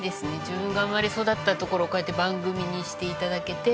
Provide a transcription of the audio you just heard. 自分が生まれ育った所をこうやって番組にして頂けて。